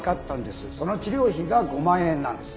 その治療費が５万円なんです。